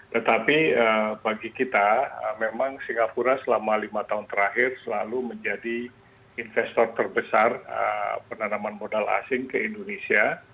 tetapi bagi kita memang singapura selama lima tahun terakhir selalu menjadi investor terbesar penanaman modal asing ke indonesia